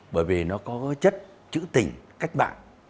bởi vì nó có chất chữ tình cách bạc